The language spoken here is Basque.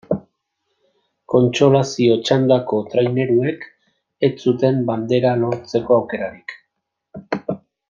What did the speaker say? Kontsolazio txandako traineruek ez zuten bandera lortzeko aukerarik.